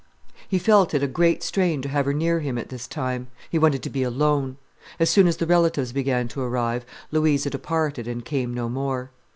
He felt it a great strain to have her near him at this time. He wanted to be alone. As soon as the relatives began to arrive, Louisa departed and came no more.